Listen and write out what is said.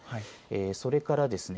それからですね